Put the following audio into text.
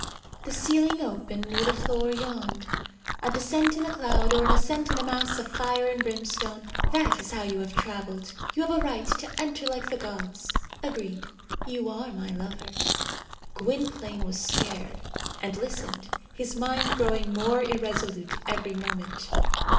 The ceiling opened or the floor yawned. A descent in a cloud, or an ascent in a mass of fire and brimstone, that is how you have travelled. You have a right to enter like the gods. Agreed; you are my lover." Gwynplaine was scared, and listened, his mind growing more irresolute every moment.